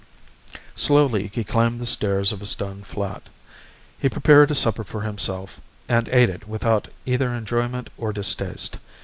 Slowly he climbed the stairs of a stone flat. He prepared a supper for himself and ate it without either enjoyment or distaste.